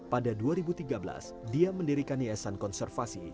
pada dua ribu tiga belas dia mendirikan yayasan konservasi